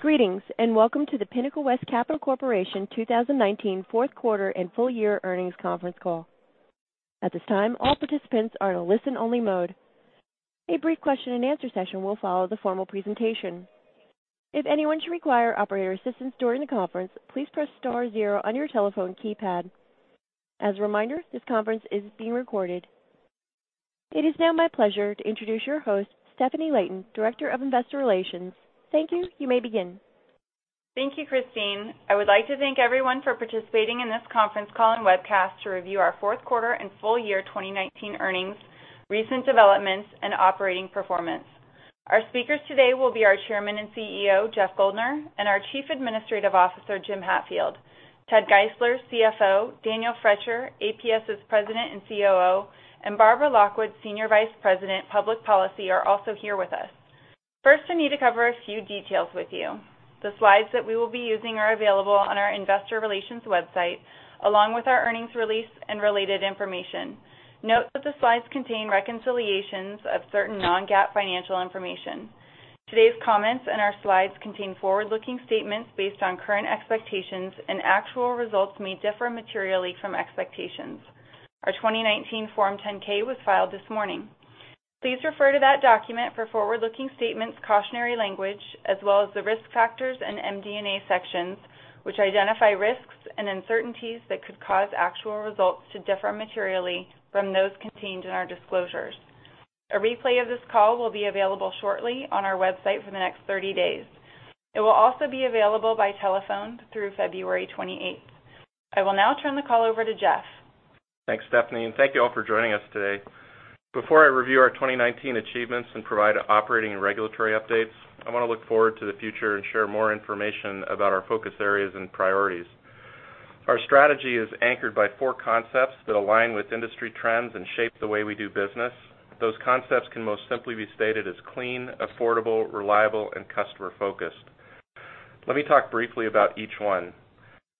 Greetings, and welcome to the Pinnacle West Capital Corporation 2019 fourth quarter and full-year earnings conference call. At this time, all participants are in a listen-only mode. A brief question-and-answer session will follow the formal presentation. If anyone should require operator assistance during the conference, please press star zero on your telephone keypad. As a reminder, this conference is being recorded. It is now my pleasure to introduce your host, Stefanie Layton, Director of Investor Relations. Thank you. You may begin. Thank you, Christine. I would like to thank everyone for participating in this conference call and webcast to review our fourth quarter and full-year 2019 earnings, recent developments, and operating performance. Our speakers today will be our Chairman and CEO, Jeff Guldner, and our Chief Administrative Officer, Jim Hatfield. Ted Geisler, CFO, Daniel Fletcher, APS's President and COO, and Barbara Lockwood, Senior Vice President, Public Policy, are also here with us. First, I need to cover a few details with you. The slides that we will be using are available on our investor relations website, along with our earnings release and related information. Note that the slides contain reconciliations of certain non-GAAP financial information. Today's comments and our slides contain forward-looking statements based on current expectations, and actual results may differ materially from expectations. Our 2019 Form 10-K was filed this morning. Please refer to that document for forward-looking statements cautionary language, as well as the Risk Factors and MD&A sections, which identify risks and uncertainties that could cause actual results to differ materially from those contained in our disclosures. A replay of this call will be available shortly on our website for the next 30 days. It will also be available by telephone through February 28th. I will now turn the call over to Jeff. Thanks, Stefanie, and thank you all for joining us today. Before I review our 2019 achievements and provide operating and regulatory updates, I want to look forward to the future and share more information about our focus areas and priorities. Our strategy is anchored by four concepts that align with industry trends and shape the way we do business. Those concepts can most simply be stated as clean, affordable, reliable, and customer-focused. Let me talk briefly about each one.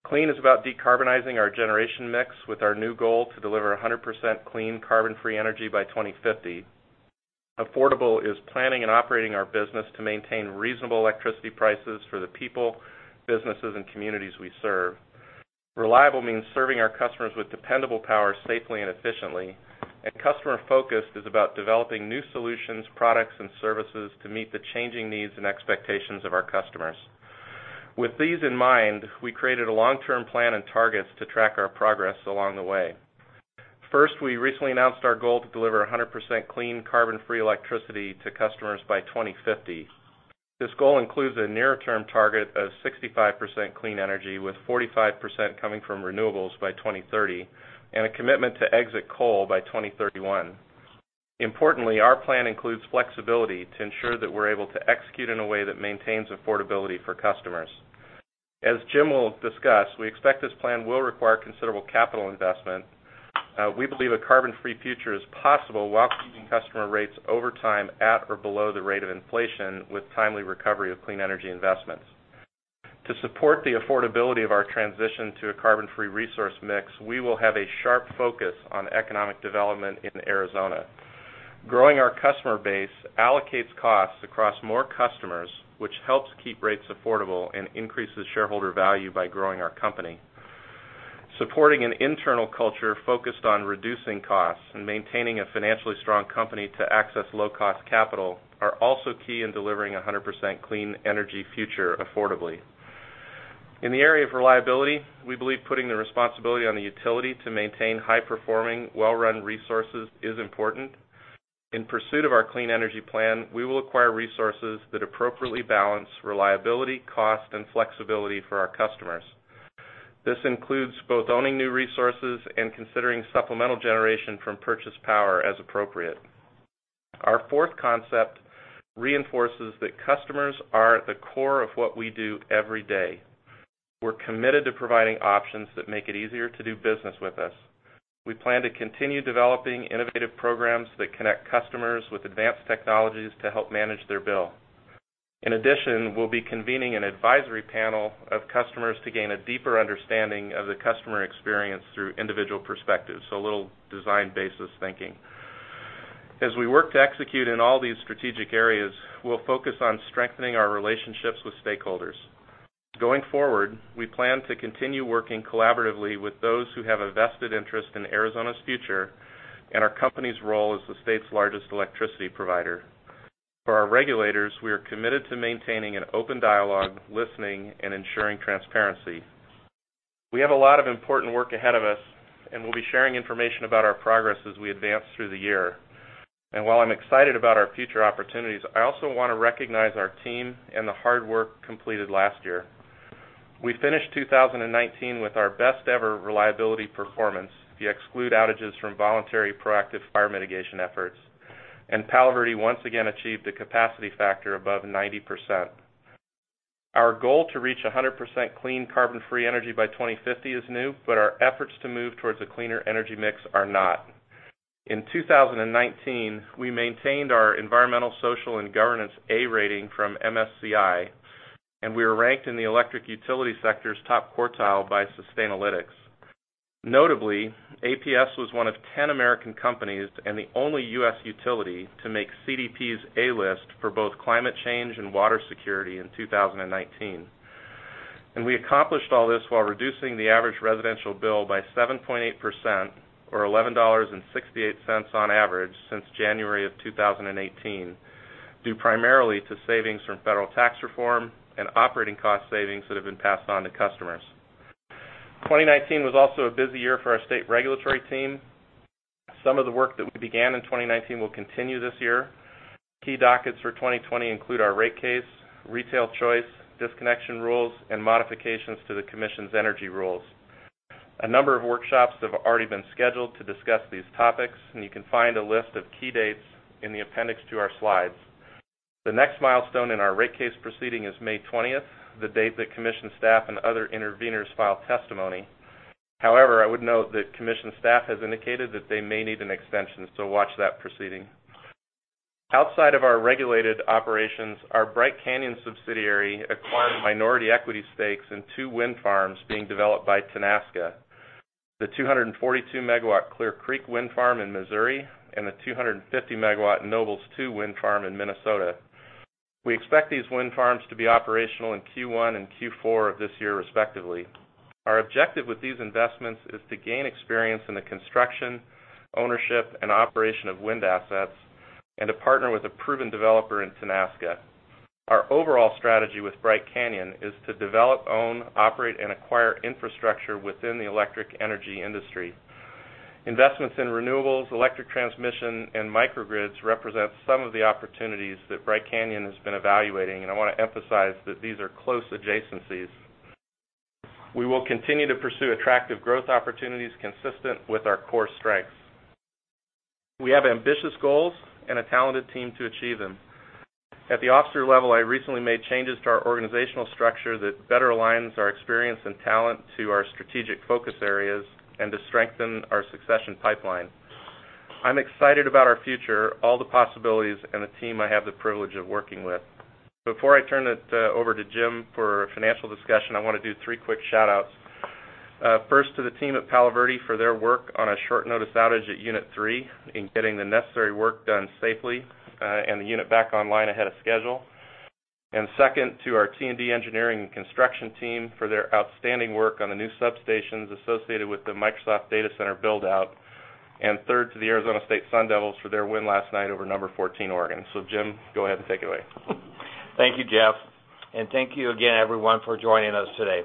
Clean is about decarbonizing our generation mix with our new goal to deliver 100% clean, carbon-free energy by 2050. Affordable is planning and operating our business to maintain reasonable electricity prices for the people, businesses, and communities we serve. Reliable means serving our customers with dependable power safely and efficiently. Customer-focused is about developing new solutions, products, and services to meet the changing needs and expectations of our customers. With these in mind, we created a long-term plan and targets to track our progress along the way. First, we recently announced our goal to deliver 100% clean, carbon-free electricity to customers by 2050. This goal includes a nearer-term target of 65% clean energy, with 45% coming from renewables by 2030, and a commitment to exit coal by 2031. Importantly, our plan includes flexibility to ensure that we're able to execute in a way that maintains affordability for customers. As Jim will discuss, we expect this plan will require considerable capital investment. We believe a carbon-free future is possible while keeping customer rates over time at or below the rate of inflation with timely recovery of clean energy investments. To support the affordability of our transition to a carbon-free resource mix, we will have a sharp focus on economic development in Arizona. Growing our customer base allocates costs across more customers, which helps keep rates affordable and increases shareholder value by growing our company. Supporting an internal culture focused on reducing costs and maintaining a financially strong company to access low-cost capital are also key in delivering 100% clean energy future affordably. In the area of reliability, we believe putting the responsibility on the utility to maintain high-performing, well-run resources is important. In pursuit of our clean energy plan, we will acquire resources that appropriately balance reliability, cost, and flexibility for our customers. This includes both owning new resources and considering supplemental generation from purchased power as appropriate. Our fourth concept reinforces that customers are at the core of what we do every day. We're committed to providing options that make it easier to do business with us. We plan to continue developing innovative programs that connect customers with advanced technologies to help manage their bill. In addition, we'll be convening an advisory panel of customers to gain a deeper understanding of the customer experience through individual perspectives, so a little design-basis thinking. As we work to execute in all these strategic areas, we'll focus on strengthening our relationships with stakeholders. Going forward, we plan to continue working collaboratively with those who have a vested interest in Arizona's future and our company's role as the state's largest electricity provider. For our regulators, we are committed to maintaining an open dialogue, listening, and ensuring transparency. We have a lot of important work ahead of us, and we'll be sharing information about our progress as we advance through the year. While I'm excited about our future opportunities, I also want to recognize our team and the hard work completed last year. We finished 2019 with our best-ever reliability performance if you exclude outages from voluntary proactive fire mitigation efforts, and Palo Verde once again achieved a capacity factor above 90%. Our goal to reach 100% clean, carbon-free energy by 2050 is new, but our efforts to move towards a cleaner energy mix are not. In 2019, we maintained our environmental, social, and governance A rating from MSCI, and we are ranked in the electric utility sector's top quartile by Sustainalytics. Notably, APS was one of 10 American companies and the only U.S. utility to make CDP's A List for both climate change and water security in 2019. We accomplished all this while reducing the average residential bill by 7.8%, or $11.68 on average since January of 2018, due primarily to savings from federal tax reform and operating cost savings that have been passed on to customers. 2019 was also a busy year for our state regulatory team. Some of the work that we began in 2019 will continue this year. Key dockets for 2020 include our rate case, retail choice, disconnection rules, and modifications to the commission's energy rules. A number of workshops have already been scheduled to discuss these topics, and you can find a list of key dates in the appendix to our slides. The next milestone in our rate case proceeding is May 20th, the date that commission staff and other interveners file testimony. However, I would note that commission staff has indicated that they may need an extension, so watch that proceeding. Outside of our regulated operations, our Bright Canyon subsidiary acquired minority equity stakes in two wind farms being developed by Tenaska, the 242-MW Clear Creek Wind Farm in Missouri and the 250-MW Nobles 2 Wind Farm in Minnesota. We expect these wind farms to be operational in Q1 and Q4 of this year, respectively. Our objective with these investments is to gain experience in the construction, ownership, and operation of wind assets and to partner with a proven developer in Tenaska. Our overall strategy with Bright Canyon is to develop, own, operate, and acquire infrastructure within the electric energy industry. Investments in renewables, electric transmission, and microgrids represent some of the opportunities that Bright Canyon has been evaluating, and I want to emphasize that these are close adjacencies. We will continue to pursue attractive growth opportunities consistent with our core strengths. We have ambitious goals and a talented team to achieve them. At the officer level, I recently made changes to our organizational structure that better aligns our experience and talent to our strategic focus areas and to strengthen our succession pipeline. I'm excited about our future, all the possibilities, and the team I have the privilege of working with. Before I turn it over to Jim for a financial discussion, I want to do three quick shout-outs. First, to the team at Palo Verde for their work on a short notice outage at unit three in getting the necessary work done safely and the unit back online ahead of schedule. Second, to our T&D engineering and construction team for their outstanding work on the new substations associated with the Microsoft Data Center build-out. Third, to the Arizona State Sun Devils for their win last night over number 14 Oregon. Jim, go ahead and take it away. Thank you, Jeff. Thank you again, everyone, for joining us today.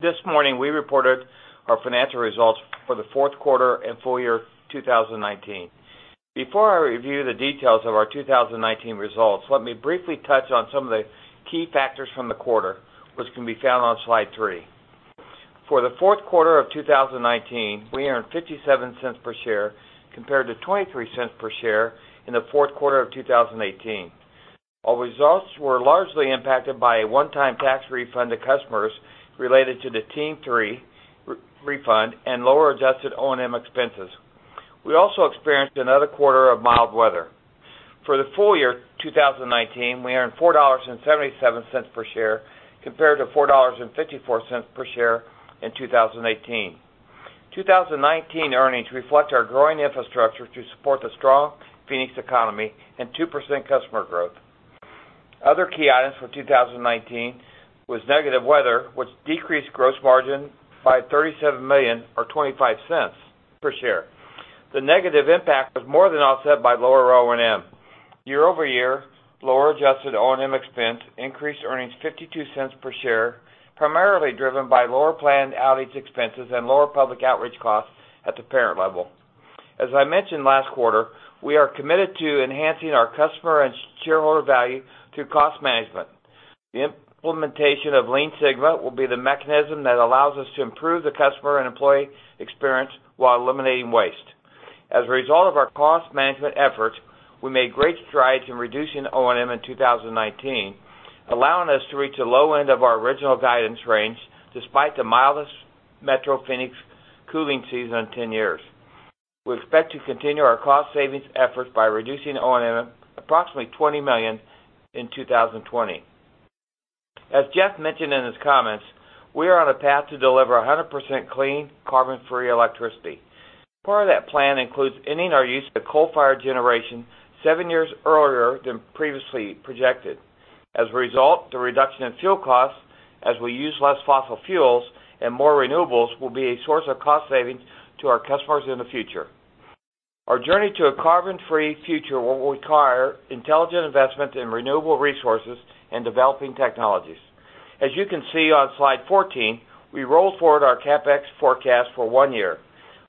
This morning, we reported our financial results for the fourth quarter and full-year 2019. Before I review the details of our 2019 results, let me briefly touch on some of the key factors from the quarter, which can be found on slide three. For the fourth quarter of 2019, we earned $0.57 per share compared to $0.23 per share in the fourth quarter of 2018. Our results were largely impacted by a one-time tax refund to customers related to the TEAM Phase III refund and lower adjusted O&M expenses. We also experienced another quarter of mild weather. For the full-year 2019, we earned $4.77 per share compared to $4.54 per share in 2018. 2019 earnings reflect our growing infrastructure to support the strong Phoenix economy and 2% customer growth. Other key items for 2019 was negative weather, which decreased gross margin by $37 million or $0.25 per share. The negative impact was more than offset by lower O&M. Year-over-year, lower adjusted O&M expense increased earnings $0.52 per share, primarily driven by lower planned outage expenses and lower public outreach costs at the parent level. As I mentioned last quarter, we are committed to enhancing our customer and shareholder value through cost management. The implementation of Lean Sigma will be the mechanism that allows us to improve the customer and employee experience while eliminating waste. As a result of our cost management efforts, we made great strides in reducing O&M in 2019, allowing us to reach the low end of our original guidance range, despite the mildest Metro Phoenix cooling season in 10 years. We expect to continue our cost savings efforts by reducing O&M approximately $20 million in 2020. As Jeff mentioned in his comments, we are on a path to deliver 100% clean, carbon-free electricity. Part of that plan includes ending our use of coal-fired generation seven years earlier than previously projected. The reduction in fuel costs as we use less fossil fuels and more renewables will be a source of cost savings to our customers in the future. Our journey to a carbon-free future will require intelligent investment in renewable resources and developing technologies. As you can see on slide 14, we rolled forward our CapEx forecast for one year.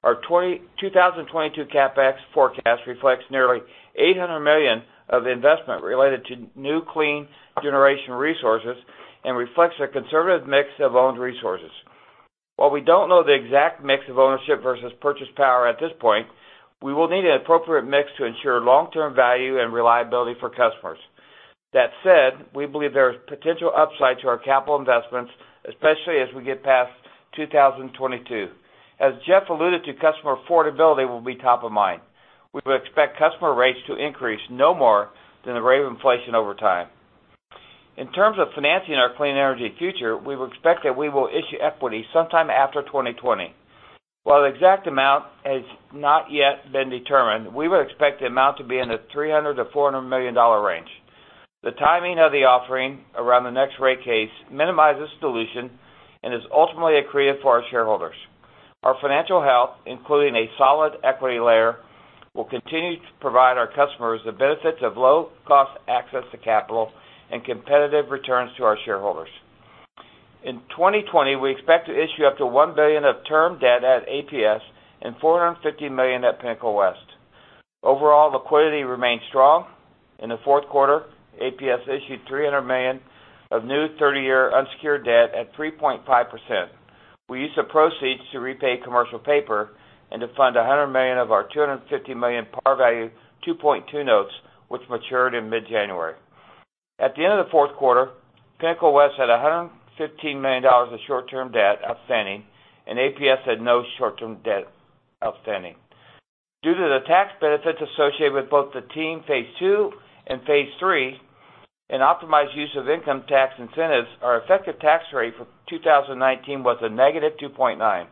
Our 2022 CapEx forecast reflects nearly $800 million of investment related to new clean generation resources and reflects a conservative mix of owned resources. While we don't know the exact mix of ownership versus purchase power at this point, we will need an appropriate mix to ensure long-term value and reliability for customers. That said, we believe there is potential upside to our capital investments, especially as we get past 2022. As Jeff alluded to, customer affordability will be top of mind. We would expect customer rates to increase no more than the rate of inflation over time. In terms of financing our clean energy future, we would expect that we will issue equity sometime after 2020. While the exact amount has not yet been determined, we would expect the amount to be in the $300 million-$400 million range. The timing of the offering around the next rate case minimizes dilution and is ultimately accretive for our shareholders. Our financial health, including a solid equity layer, will continue to provide our customers the benefits of low-cost access to capital and competitive returns to our shareholders. In 2020, we expect to issue up to $1 billion of term debt at APS and $450 million at Pinnacle West. Overall liquidity remains strong. In the fourth quarter, APS issued $300 million of new 30-year unsecured debt at 3.5%. We used the proceeds to repay commercial paper and to fund $100 million of our $250 million par value 2.2 notes, which matured in mid-January. At the end of the fourth quarter, Pinnacle West had $115 million of short-term debt outstanding, and APS had no short-term debt outstanding. Due to the tax benefits associated with both the TEAM Phase II and Phase III, an optimized use of income tax incentives, our effective tax rate for 2019 was a -2.9%.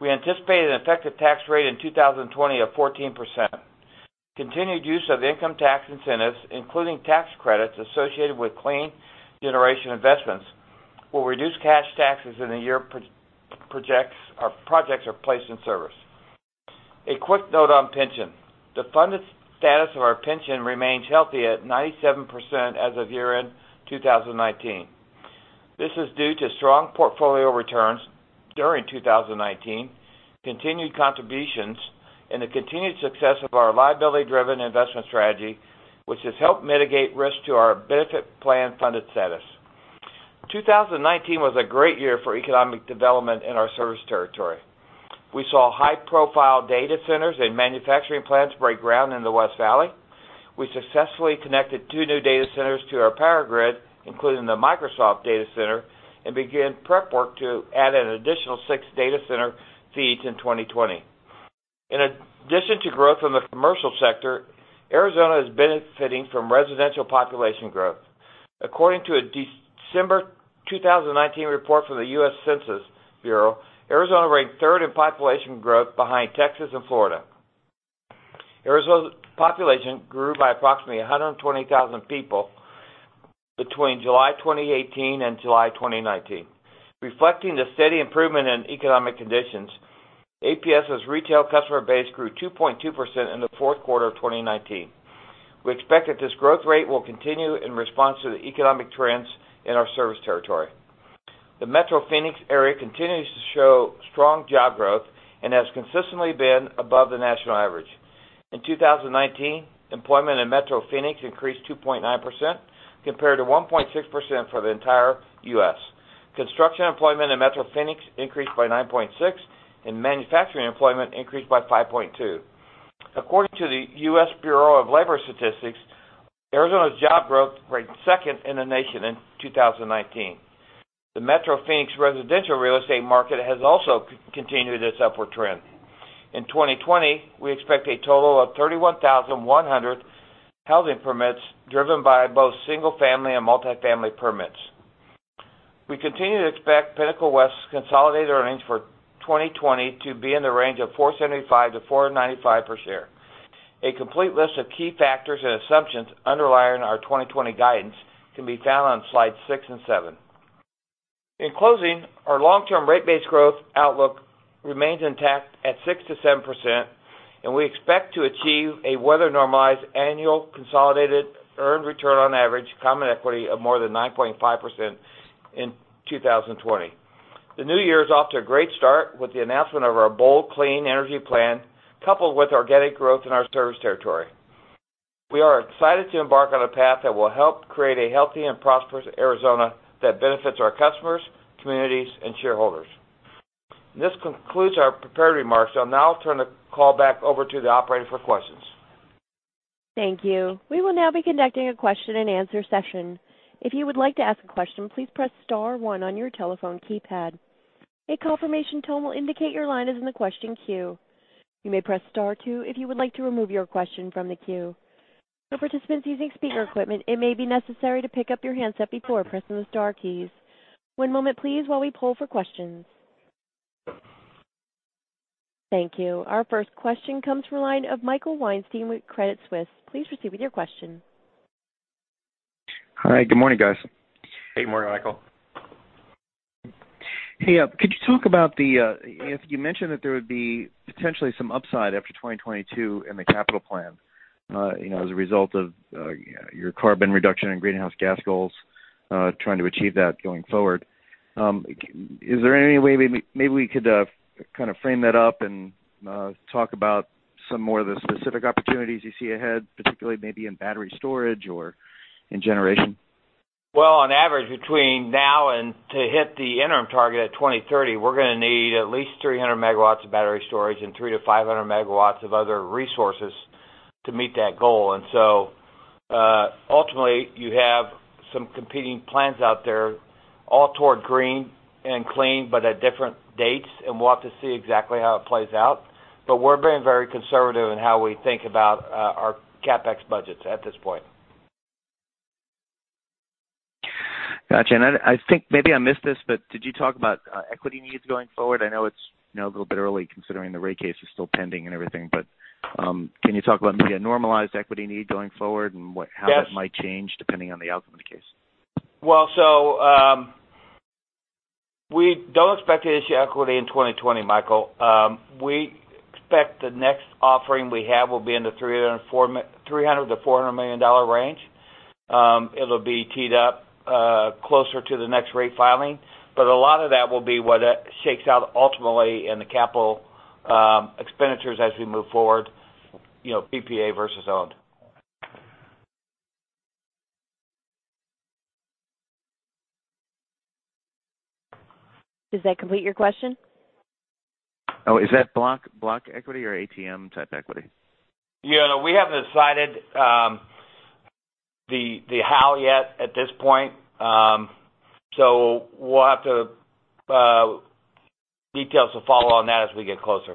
We anticipate an effective tax rate in 2020 of 14%. Continued use of income tax incentives, including tax credits associated with clean generation investments, will reduce cash taxes in the year our projects are placed in service. A quick note on pension. The funded status of our pension remains healthy at 97% as of year-end 2019. This is due to strong portfolio returns during 2019, continued contributions, and the continued success of our liability-driven investment strategy, which has helped mitigate risk to our benefit plan-funded status. 2019 was a great year for economic development in our service territory. We saw high-profile data centers and manufacturing plants break ground in the West Valley. We successfully connected two new data centers to our power grid, including the Microsoft Data Center, and began prep work to add an additional six data center feeds in 2020. In addition to growth in the commercial sector, Arizona is benefiting from residential population growth. According to a December 2019 report from the U.S. Census Bureau, Arizona ranked third in population growth behind Texas and Florida. Arizona's population grew by approximately 120,000 people between July 2018 and July 2019. Reflecting the steady improvement in economic conditions, APS's retail customer base grew 2.2% in the fourth quarter of 2019. We expect that this growth rate will continue in response to the economic trends in our service territory. The Metro Phoenix area continues to show strong job growth and has consistently been above the national average. In 2019, employment in Metro Phoenix increased 2.9%, compared to 1.6% for the entire U.S. Construction employment in Metro Phoenix increased by 9.6%, and manufacturing employment increased by 5.2%. According to the U.S. Bureau of Labor Statistics, Arizona's job growth ranked second in the nation in 2019. The Metro Phoenix residential real estate market has also continued its upward trend. In 2020, we expect a total of 31,100 housing permits driven by both single-family and multi-family permits. We continue to expect Pinnacle West's consolidated earnings for 2020 to be in the range of $4.75-$4.95 per share. A complete list of key factors and assumptions underlying our 2020 guidance can be found on slides six and seven. In closing, our long-term rate base growth outlook remains intact at 6%-7%, and we expect to achieve a weather-normalized annual consolidated earned return on average common equity of more than 9.5% in 2020. The new year is off to a great start with the announcement of our bold, clean energy plan, coupled with organic growth in our service territory. We are excited to embark on a path that will help create a healthy and prosperous Arizona that benefits our customers, communities, and shareholders. This concludes our prepared remarks. I will now turn the call back over to the operator for questions. Thank you. We will now be conducting a question-and-answer session. If you would like to ask a question, please press star one on your telephone keypad. A confirmation tone will indicate your line is in the question queue. You may press star two if you would like to remove your question from the queue. For participants using speaker equipment, it may be necessary to pick up your handset before pressing the star keys. One moment, please, while we poll for questions. Thank you. Our first question comes from the line of Michael Weinstein with Credit Suisse. Please proceed with your question. Hi. Good morning, guys. Hey. Morning, Michael. Hey. You mentioned that there would be potentially some upside after 2022 in the capital plan as a result of your carbon reduction and greenhouse gas goals, trying to achieve that going forward. Is there any way maybe we could kind of frame that up and talk about some more of the specific opportunities you see ahead, particularly maybe in battery storage or in generation? Well, on average, between now and to hit the interim target at 2030, we're going to need at least 300 MW of battery storage and 3-500 MW of other resources to meet that goal. Ultimately, you have some competing plans out there, all toward green and clean, at different dates, and we'll have to see exactly how it plays out. We're being very conservative in how we think about our CapEx budgets at this point. Got you. I think maybe I missed this, but did you talk about equity needs going forward? I know it's a little bit early considering the rate case is still pending and everything, but can you talk about maybe a normalized equity need going forward and how that might change depending on the outcome of the case? We don't expect to issue equity in 2020, Michael. We expect the next offering we have will be in the $300 million-$400 million range. It'll be teed up closer to the next rate filing. A lot of that will be what shakes out ultimately in the capital expenditures as we move forward, PPA versus owned. Does that complete your question? Oh, is that block equity or ATM-type equity? Yeah. We haven't decided the how yet at this point. We'll have to Details to follow on that as we get closer.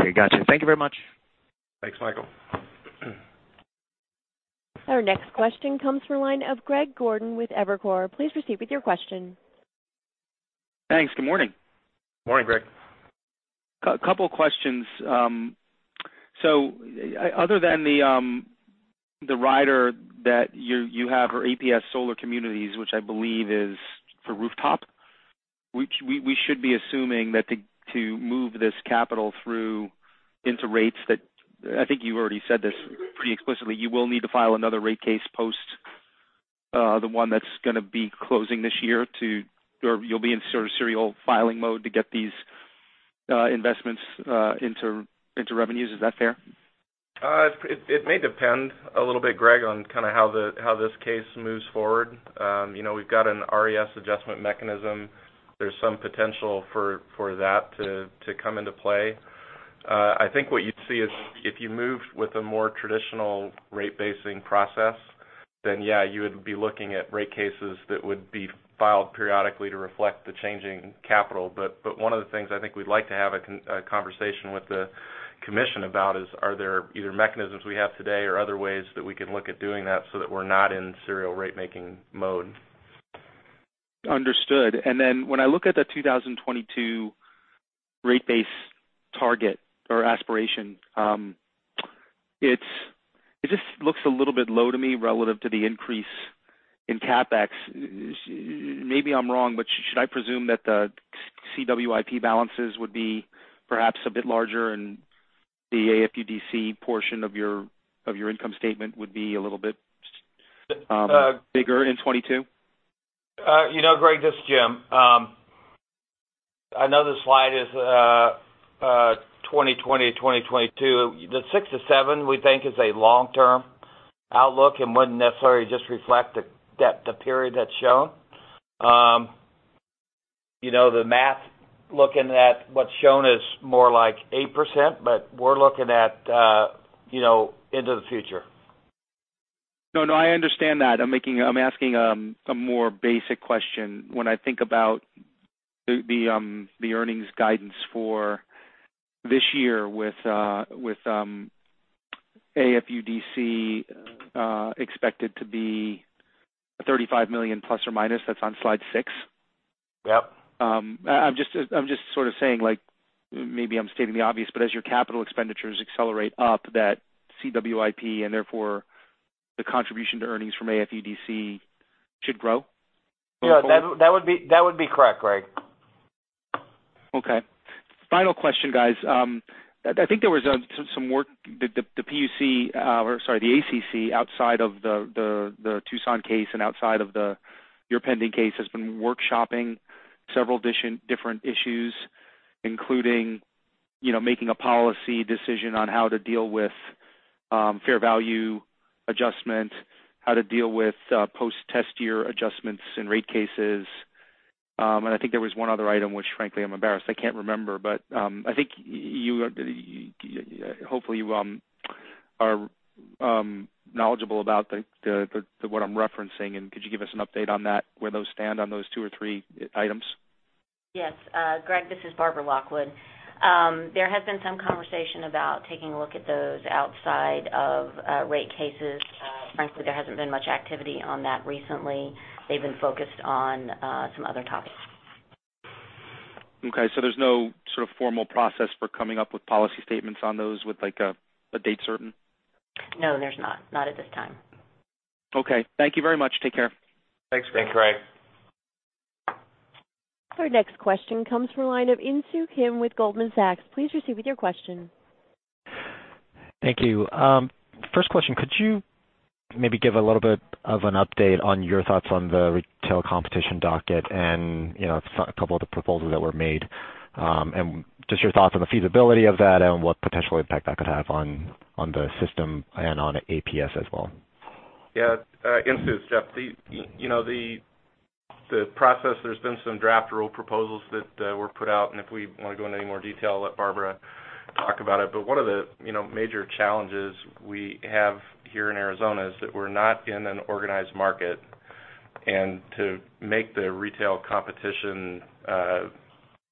Okay, got you. Thank you very much. Thanks, Michael. Our next question comes from the line of Greg Gordon with Evercore. Please proceed with your question. Thanks. Good morning. Morning, Greg. A couple of questions. Other than the rider that you have for APS Solar Communities, which I believe is for rooftop, we should be assuming that to move this capital through into rates that, I think you already said this pretty explicitly, you will need to file another rate case post the one that's going to be closing this year to or you'll be in sort of serial filing mode to get these investments into revenues. Is that fair? It may depend a little bit, Greg, on how this case moves forward. We've got an RES adjustment mechanism. There's some potential for that to come into play. I think what you'd see is if you moved with a more traditional rate-basing process, then yeah, you would be looking at rate cases that would be filed periodically to reflect the changing capital. One of the things I think we'd like to have a conversation with the commission about is, are there either mechanisms we have today or other ways that we can look at doing that so that we're not in serial rate making mode? Understood. When I look at the 2022 rate base target or aspiration, it just looks a little bit low to me relative to the increase in CapEx. Maybe I'm wrong, should I presume that the CWIP balances would be perhaps a bit larger and the AFUDC portion of your income statement would be a little bit bigger in 2022? Greg, this is Jim. I know the slide is 2020 to 2022. The six to seven we think is a long-term outlook and wouldn't necessarily just reflect the period that's shown. The math looking at what's shown is more like 8%, but we're looking at into the future. No, I understand that. I'm asking a more basic question. When I think about the earnings guidance for this year with AFUDC expected to be $35 million ±, that's on slide six. Yep. I'm just sort of saying, maybe I'm stating the obvious, but as your capital expenditures accelerate up that CWIP and therefore the contribution to earnings from AFUDC should grow going forward? That would be correct, Greg. Okay. Final question, guys. I think there was some work the PUC or, sorry, the ACC outside of the Tucson case and outside of your pending case, has been workshopping several different issues, including making a policy decision on how to deal with fair value adjustment, how to deal with post-test year adjustments and rate cases. I think there was one other item which frankly I'm embarrassed I can't remember. I think hopefully you are knowledgeable about what I'm referencing and could you give us an update on that, where those stand on those two or three items? Yes. Greg, this is Barbara Lockwood. There has been some conversation about taking a look at those outside of rate cases. Frankly, there hasn't been much activity on that recently. They've been focused on some other topics. Okay, there's no sort of formal process for coming up with policy statements on those with a date certain? No, there's not at this time. Okay. Thank you very much. Take care. Thanks, Greg. Thanks, Greg. Our next question comes from a line of Insoo Kim with Goldman Sachs. Please proceed with your question. Thank you. First question, could you maybe give a little bit of an update on your thoughts on the retail competition docket and a couple of the proposals that were made, and just your thoughts on the feasibility of that and what potential impact that could have on the system and on APS as well? Yeah. Insoo, it's Jeff. The process, there's been some draft rule proposals that were put out. If we want to go into any more detail, I'll let Barbara talk about it. One of the major challenges we have here in Arizona is that we're not in an organized market. To make the retail competition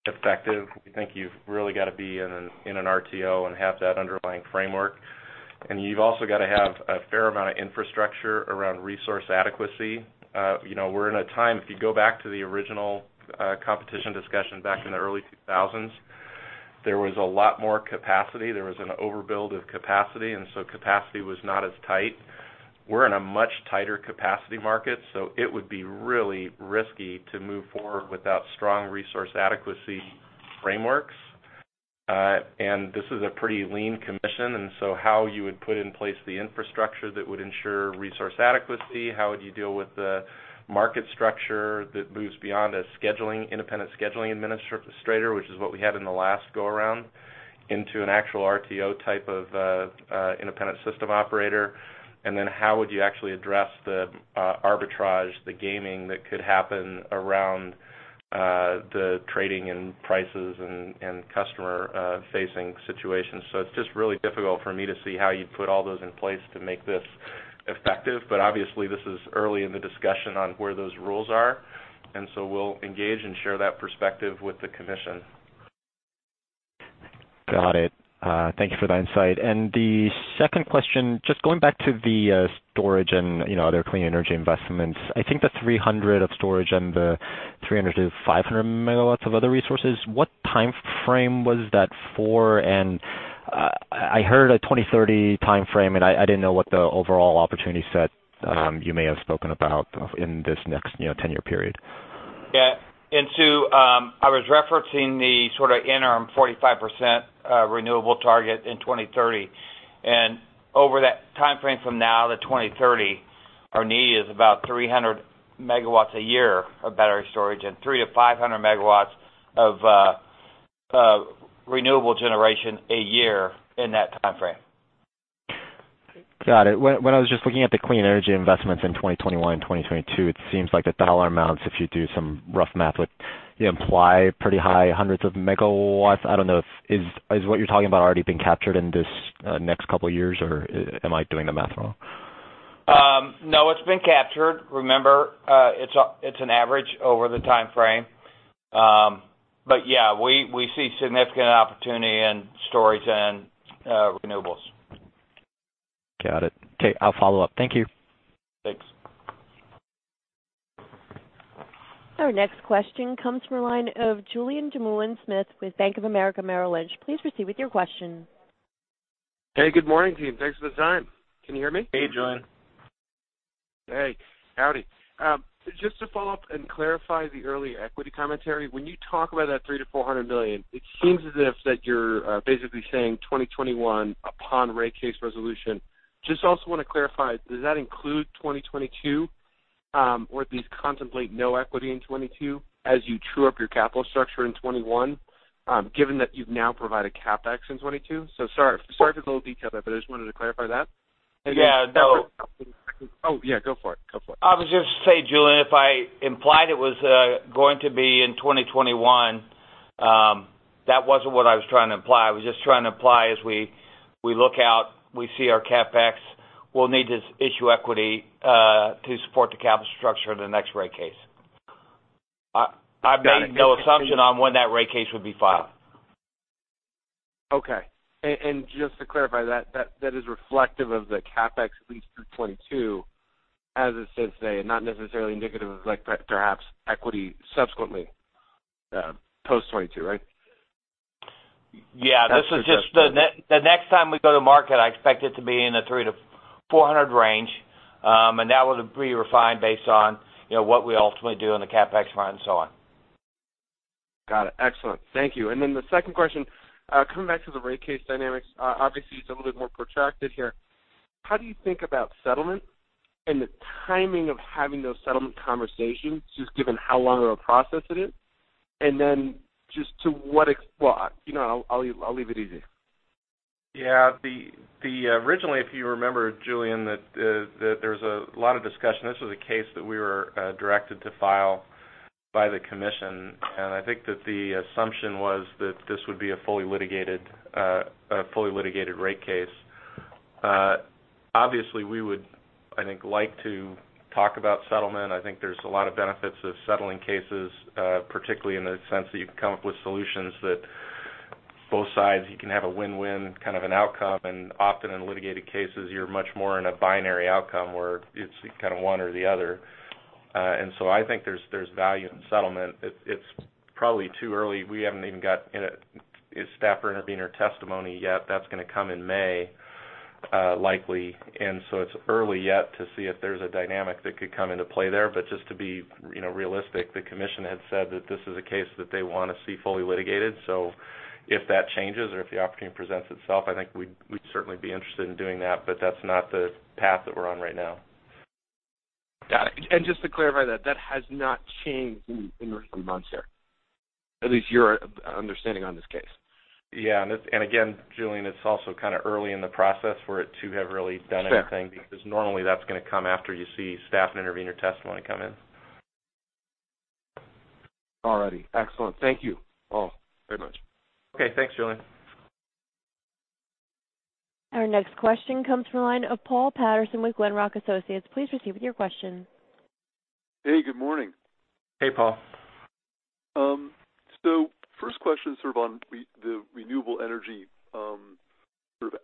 effective, we think you've really got to be in an RTO and have that underlying framework. You've also got to have a fair amount of infrastructure around resource adequacy. We're in a time, if you go back to the original competition discussion back in the early 2000s, there was a lot more capacity. There was an overbuild of capacity. Capacity was not as tight. We're in a much tighter capacity market, it would be really risky to move forward without strong resource adequacy frameworks. This is a pretty lean commission, how you would put in place the infrastructure that would ensure resource adequacy, how would you deal with the market structure that moves beyond an Independent Scheduling Administrator, which is what we had in the last go around, into an actual RTO type of independent system operator, and then how would you actually address the arbitrage, the gaming that could happen around the trading and prices and customer-facing situations. It's just really difficult for me to see how you'd put all those in place to make this effective. Obviously, this is early in the discussion on where those rules are, we'll engage and share that perspective with the commission. Got it. Thank you for that insight. The second question, just going back to the storage and other clean energy investments. I think the 300 of storage and the 300-500 MW of other resources, what timeframe was that for? I heard a 2030 timeframe, and I didn't know what the overall opportunity set you may have spoken about in this next 10-year period. Yeah. I was referencing the sort of interim 45% renewable target in 2030. Over that timeframe from now to 2030, our need is about 300 MW a year of battery storage and three to 500 MW of renewable generation a year in that timeframe. Got it. When I was just looking at the clean energy investments in 2021, 2022, it seems like the dollar amounts, if you do some rough math, would imply pretty high hundreds of megawatts. I don't know. Is what you're talking about already being captured in this next couple of years, or am I doing the math wrong? No, it's been captured. Remember, it's an average over the timeframe. Yeah, we see significant opportunity in storage and renewables. Got it. Okay, I'll follow up. Thank you. Thanks. Our next question comes from the line of Julien Dumoulin-Smith with Bank of America Merrill Lynch. Please proceed with your question. Hey, good morning, team. Thanks for the time. Can you hear me? Hey, Julien. Hey. Howdy. Just to follow up and clarify the early equity commentary. When you talk about that $300 million-$400 million, it seems as if that you're basically saying 2021 upon rate case resolution. Just also want to clarify, does that include 2022? At least contemplate no equity in 2022 as you true up your capital structure in 2021, given that you've now provided CapEx in 2022? Sorry for the little detail there, but I just wanted to clarify that. Yeah, no. Oh, yeah. Go for it. Go for it. I was just saying, Julien, if I implied it was going to be in 2021, that wasn't what I was trying to imply. I was just trying to imply as we look out, we see our CapEx, we'll need to issue equity to support the capital structure in the next rate case. I made no assumption on when that rate case would be filed. Okay. Just to clarify that is reflective of the CapEx at least through 2022 as it sits today, not necessarily indicative of perhaps equity subsequently, post 2022, right? Yeah. The next time we go to market, I expect it to be in the $300-$400 range, that would be refined based on what we ultimately do on the CapEx front and so on. Got it. Excellent. Thank you. The second question, coming back to the rate case dynamics, obviously it's a little bit more protracted here. How do you think about settlement and the timing of having those settlement conversations, just given how long of a process it is? Just to what, well, I'll leave it easy. Yeah. Originally, if you remember, Julien, that there was a lot of discussion. This was a case that we were directed to file by the commission. I think that the assumption was that this would be a fully litigated rate case. Obviously, we would, I think, like to talk about settlement. I think there's a lot of benefits of settling cases, particularly in the sense that you can come up with solutions that both sides, you can have a win-win kind of an outcome. Often in litigated cases, you're much more in a binary outcome where it's kind of one or the other. I think there's value in settlement. It's probably too early. We haven't even got staff or intervener testimony yet. That's going to come in May, likely. It's early yet to see if there's a dynamic that could come into play there. Just to be realistic, the Commission had said that this is a case that they want to see fully litigated. If that changes or if the opportunity presents itself, I think we'd certainly be interested in doing that, but that's not the path that we're on right now. Got it. Just to clarify that has not changed in recent months there? At least your understanding on this case. Yeah. Again, Julien, it's also early in the process for it to have really done anything. Sure. Normally that's going to come after you see staff and intervener testimony come in. All righty. Excellent. Thank you all very much. Okay. Thanks, Julien. Our next question comes from the line of Paul Patterson with Glenrock Associates. Please proceed with your question. Hey, good morning. Hey, Paul. First question is on the renewable energy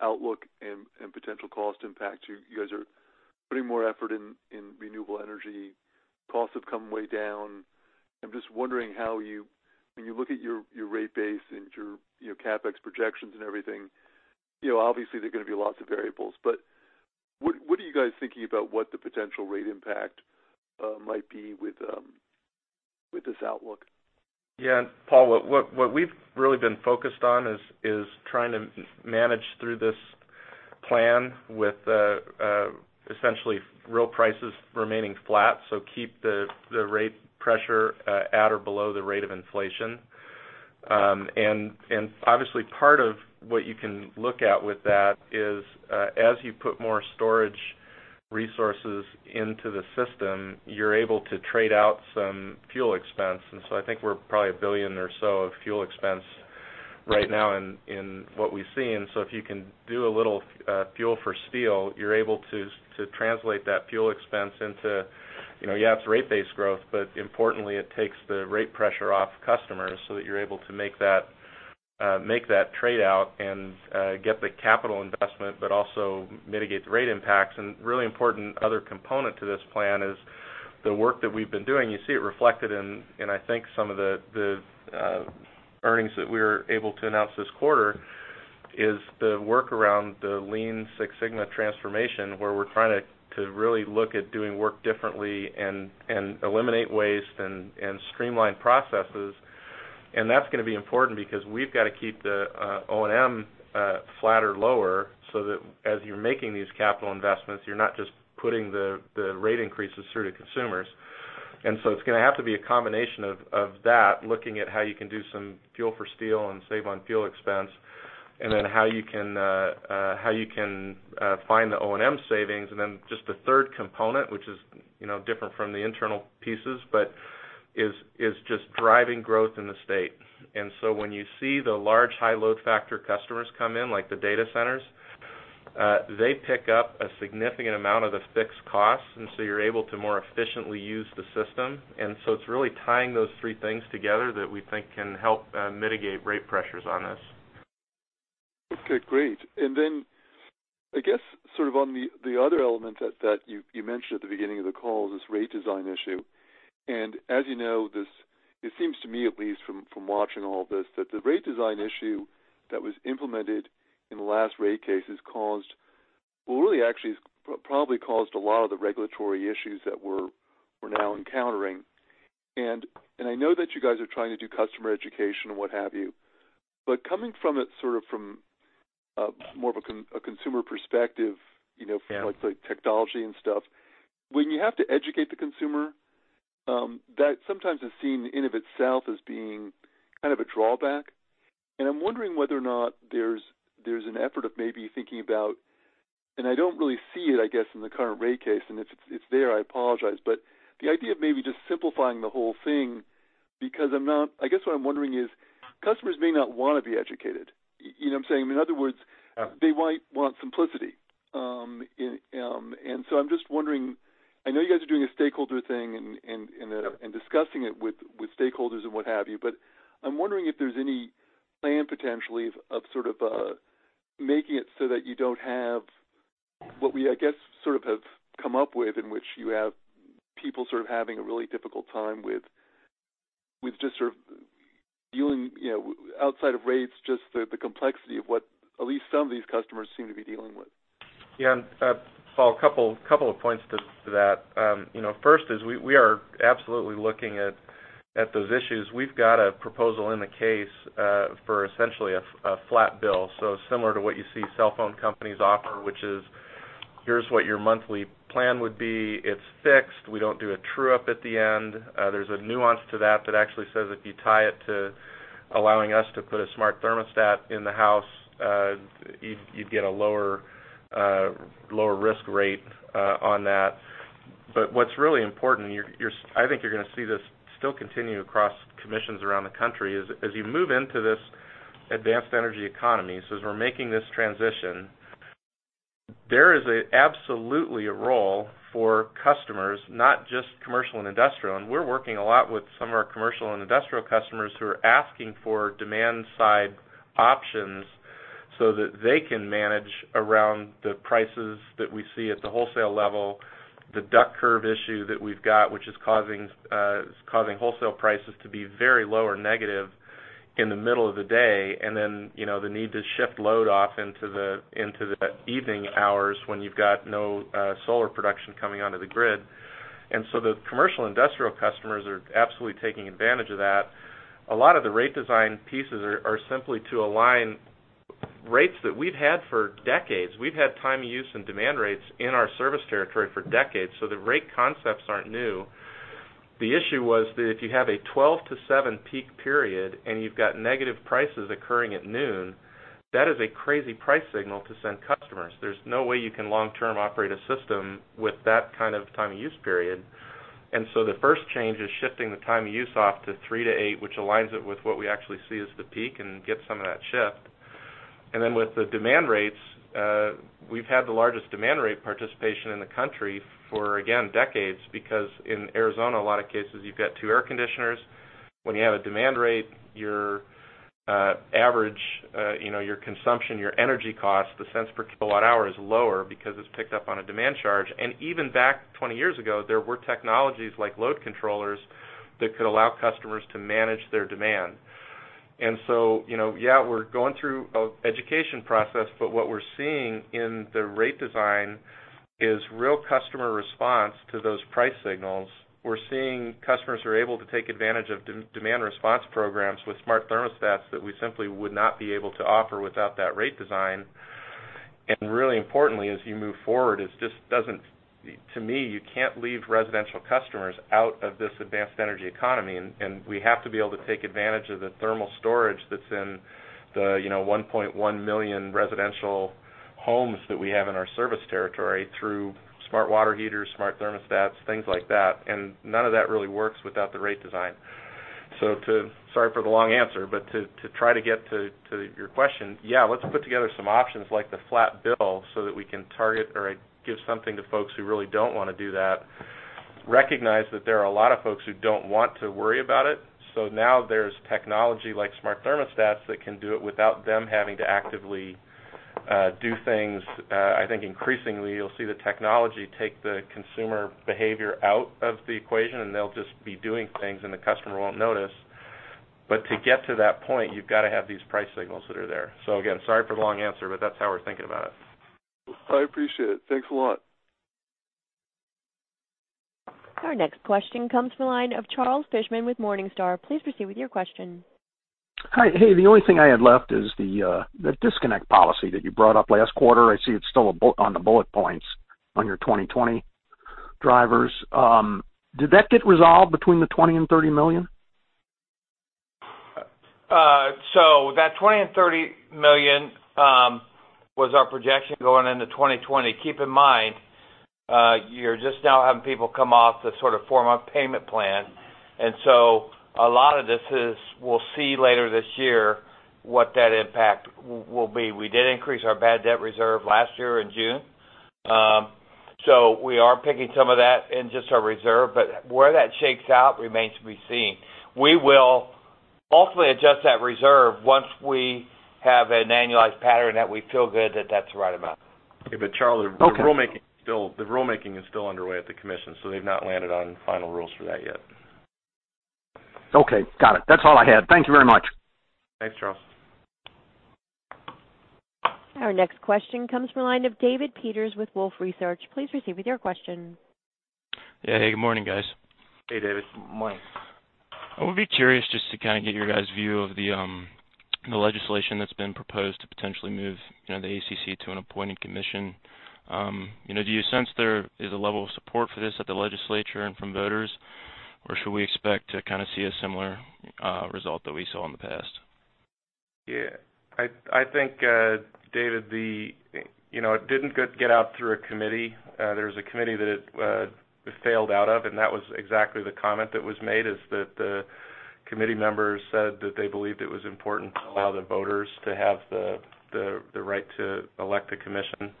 outlook and potential cost impact. You guys are putting more effort in renewable energy. Costs have come way down. I'm just wondering how you, when you look at your rate base and your CapEx projections and everything, obviously there are going to be lots of variables. What are you guys thinking about what the potential rate impact might be with this outlook? Yeah. Paul, what we've really been focused on is trying to manage through this plan with essentially real prices remaining flat, so keep the rate pressure at or below the rate of inflation. Obviously, part of what you can look at with that is, as you put more storage resources into the system, you're able to trade out some fuel expense. I think we're probably $1 billion or so of fuel expense right now in what we see. If you can do a little fuel for steel, you're able to translate that fuel expense into, you have rate base growth, but importantly, it takes the rate pressure off customers so that you're able to make that trade-out and get the capital investment, but also mitigate the rate impacts. Really important other component to this plan is the work that we've been doing. You see it reflected in, I think, some of the earnings that we were able to announce this quarter, is the work around the Lean Six Sigma transformation, where we're trying to really look at doing work differently and eliminate waste and streamline processes. That's going to be important because we've got to keep the O&M flat or lower so that as you're making these capital investments, you're not just putting the rate increases through to consumers. It's going to have to be a combination of that, looking at how you can do some fuel for steel and save on fuel expense, and then how you can find the O&M savings. Just the third component, which is different from the internal pieces, but is just driving growth in the state. When you see the large high load factor customers come in, like the data centers, they pick up a significant amount of the fixed costs, and so you're able to more efficiently use the system. It's really tying those three things together that we think can help mitigate rate pressures on this. Okay, great. I guess on the other element that you mentioned at the beginning of the call, this rate design issue. As you know, it seems to me, at least from watching all this, that the rate design issue that was implemented in the last rate cases caused, or really actually probably caused a lot of the regulatory issues that we're now encountering. I know that you guys are trying to do customer education and what have you. Coming from it from more of a consumer perspective. Yeah like the technology and stuff, when you have to educate the consumer, that sometimes is seen in of itself as being kind of a drawback. I'm wondering whether or not there's an effort of maybe thinking about, and I don't really see it, I guess, in the current rate case, and if it's there, I apologize, but the idea of maybe just simplifying the whole thing. I guess what I'm wondering is, customers may not want to be educated. You know what I'm saying? Yeah they might want simplicity. I'm just wondering, I know you guys are doing a stakeholder thing. Yeah discussing it with stakeholders and what have you. I'm wondering if there's any plan potentially of making it so that you don't have what we, I guess have come up with, in which you have people having a really difficult time with just dealing, outside of rates, just the complexity of what at least some of these customers seem to be dealing with. Yeah. Paul, a couple of points to that. First, we are absolutely looking at those issues. We've got a proposal in the case for essentially a flat bill. Similar to what you see cell phone companies offer, which is, here's what your monthly plan would be. It's fixed. We don't do a true-up at the end. There's a nuance to that that actually says if you tie it to allowing us to put a smart thermostat in the house, you'd get a lower risk rate on that. What's really important, I think you're going to see this still continue across commissions around the country, is as you move into this advanced energy economy. As we're making this transition, there is absolutely a role for customers, not just commercial and industrial. We're working a lot with some of our commercial and industrial customers who are asking for demand-side options so that they can manage around the prices that we see at the wholesale level, the duck curve issue that we've got, which is causing wholesale prices to be very low or negative in the middle of the day. The need to shift load off into the evening hours when you've got no solar production coming onto the grid. The commercial industrial customers are absolutely taking advantage of that. A lot of the rate design pieces are simply to align rates that we've had for decades. We've had time use and demand rates in our service territory for decades, so the rate concepts aren't new. The issue was that if you have a 12 to seven peak period and you've got negative prices occurring at noon, that is a crazy price signal to send customers. There's no way you can long-term operate a system with that kind of time use period. The first change is shifting the time use off to three to eight, which aligns it with what we actually see as the peak and gets some of that shift. With the demand rates, we've had the largest demand rate participation in the country for, again, decades, because in Arizona, a lot of cases, you've got two air conditioners. When you have a demand rate, your average, your consumption, your energy cost, the cents per kilowatt hour is lower because it's picked up on a demand charge. Even back 20 years ago, there were technologies like load controllers that could allow customers to manage their demand. Yeah, we're going through an education process, but what we're seeing in the rate design is real customer response to those price signals. We're seeing customers are able to take advantage of demand response programs with smart thermostats that we simply would not be able to offer without that rate design. Really importantly, as you move forward, to me, you can't leave residential customers out of this advanced energy economy, and we have to be able to take advantage of the thermal storage that's in the 1.1 million residential homes that we have in our service territory through smart water heaters, smart thermostats, things like that. None of that really works without the rate design. Sorry for the long answer, but to try to get to your question, yeah, let's put together some options like the flat bill so that we can target or give something to folks who really don't want to do that. Recognize that there are a lot of folks who don't want to worry about it. Now there's technology like smart thermostats that can do it without them having to actively do things. I think increasingly you'll see the technology take the consumer behavior out of the equation, and they'll just be doing things, and the customer won't notice. To get to that point, you've got to have these price signals that are there. Again, sorry for the long answer, but that's how we're thinking about it. I appreciate it. Thanks a lot. Our next question comes from the line of Charles Fishman with Morningstar. Please proceed with your question. Hi. Hey, the only thing I had left is the disconnect policy that you brought up last quarter. I see it's still on the bullet points on your 2020 drivers. Did that get resolved between the $20 million and $30 million? That $20 million and $30 million was our projection going into 2020. Keep in mind, you're just now having people come off the sort of four-month payment plan, a lot of this is we'll see later this year what that impact will be. We did increase our bad debt reserve last year in June. We are picking some of that in just our reserve, where that shakes out remains to be seen. We will hopefully adjust that reserve once we have an annualized pattern that we feel good that that's the right amount. Yeah, Charles- Okay The rulemaking is still underway at the Commission. They've not landed on final rules for that yet. Okay. Got it. That's all I had. Thank you very much. Thanks, Charles. Our next question comes from the line of David Peters with Wolfe Research. Please proceed with your question. Yeah. Hey, good morning, guys. Hey, David. Good morning. I would be curious just to kind of get your guys' view of the legislation that's been proposed to potentially move the ACC to an appointed commission. Do you sense there is a level of support for this at the legislature and from voters, or should we expect to kind of see a similar result that we saw in the past? Yeah. I think, David, it didn't get out through a committee. There's a committee that it failed out of, that was exactly the comment that was made, is that the committee members said that they believed it was important to allow the voters to have the right to elect a commission.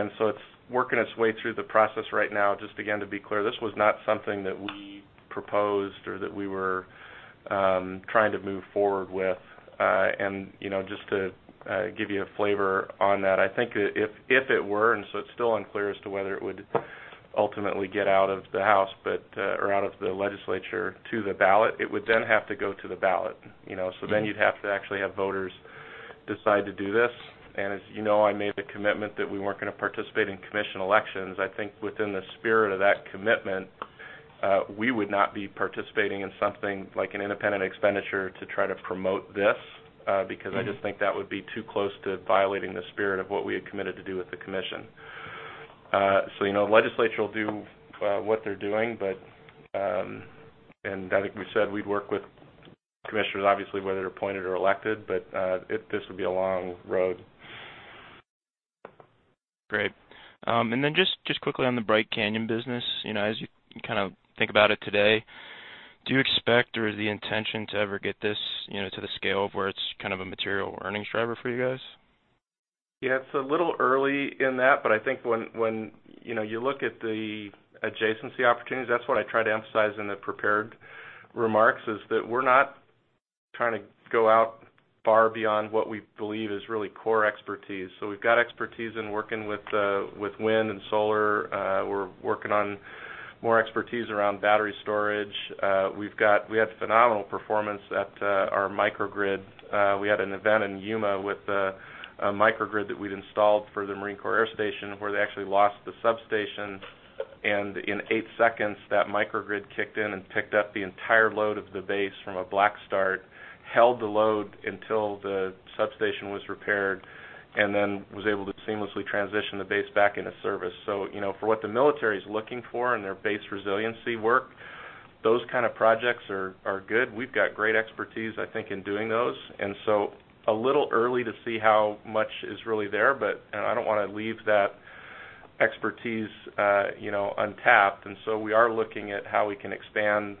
It's working its way through the process right now. Just again, to be clear, this was not something that we proposed or that we were trying to move forward with. Just to give you a flavor on that, I think if it were, it's still unclear as to whether it would ultimately get out of the House or out of the Legislature to the ballot. It would have to go to the ballot. You'd have to actually have voters decide to do this. As you know, I made the commitment that we weren't going to participate in Commission elections. I think within the spirit of that commitment, we would not be participating in something like an independent expenditure to try to promote this, because I just think that would be too close to violating the spirit of what we had committed to do with the Commission. Legislature will do what they're doing, and I think we said we'd work with Commissioners, obviously, whether they're appointed or elected. This would be a long road. Great. Just quickly on the Bright Canyon Energy business, as you kind of think about it today, do you expect or is the intention to ever get this to the scale of where it's kind of a material earnings driver for you guys? Yeah, it's a little early in that, but I think when you look at the adjacency opportunities, that's what I try to emphasize in the prepared remarks, is that we're not trying to go out far beyond what we believe is really core expertise. We've got expertise in working with wind and solar. We're working on more expertise around battery storage. We had phenomenal performance at our microgrid. We had an event in Yuma with a microgrid that we'd installed for the Marine Corps Air Station, where they actually lost the substation, and in eight seconds, that microgrid kicked in and picked up the entire load of the base from a black start, held the load until the substation was repaired, and then was able to seamlessly transition the base back into service. For what the military is looking for in their base resiliency work, those kind of projects are good. We've got great expertise, I think, in doing those. A little early to see how much is really there, but I don't want to leave that expertise untapped. We are looking at how we can expand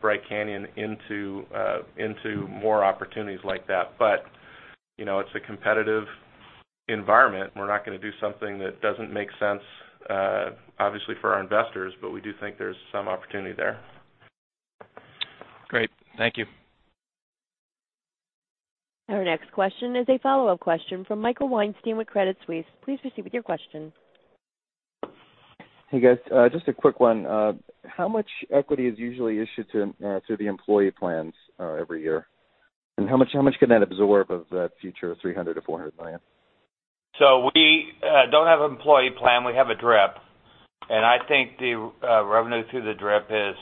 Bright Canyon into more opportunities like that. It's a competitive environment. We're not going to do something that doesn't make sense, obviously, for our investors, but we do think there's some opportunity there. Great. Thank you. Our next question is a follow-up question from Michael Weinstein with Credit Suisse. Please proceed with your question. Hey, guys. Just a quick one. How much equity is usually issued to the employee plans every year, and how much can that absorb of that future $300 million-$400 million? We don't have employee plan. We have a DRIP, and I think the revenue through the DRIP is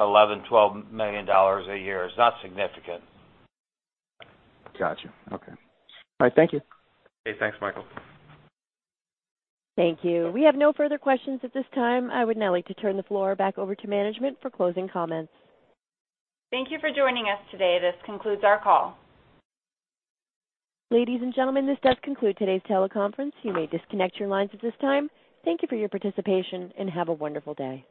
$11 million-$12 million a year. It's not significant. Got you. Okay. All right. Thank you. Okay. Thanks, Michael. Thank you. We have no further questions at this time. I would now like to turn the floor back over to management for closing comments. Thank you for joining us today. This concludes our call. Ladies and gentlemen, this does conclude today's teleconference. You may disconnect your lines at this time. Thank you for your participation, and have a wonderful day.